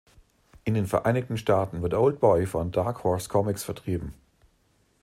In den Vereinigten Staaten wird "Old Boy" von Dark Horse Comics vertrieben.